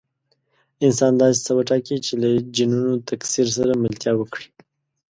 انسان داسې څه وټاکي چې له جینونو تکثیر سره ملتیا وکړي.